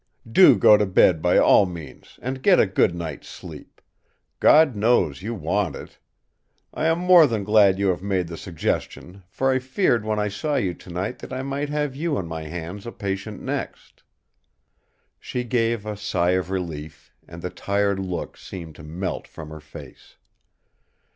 Do go to bed by all means, and get a good night's sleep. God knows! you want it. I am more than glad you have made the suggestion, for I feared when I saw you tonight that I might have you on my hands a patient next." She gave a sigh of relief, and the tired look seemed to melt from her face.